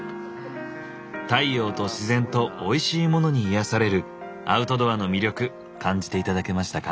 太陽と自然とおいしいモノに癒やされるアウトドアの魅力感じて頂けましたか？